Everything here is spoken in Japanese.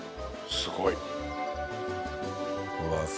すごい。